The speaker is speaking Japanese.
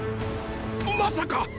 まさか⁉